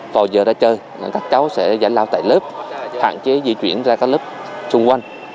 vào giờ ra chơi các cháu sẽ giải lao tại lớp hạn chế di chuyển ra các lớp chung quanh